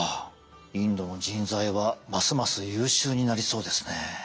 インドの人材はますます優秀になりそうですね。